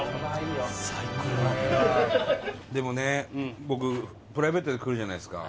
でもね僕プライベートで来るじゃないですか。